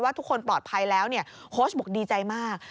ทุกคนปลอดภัยแล้วโค้ชบอกดีใจมาก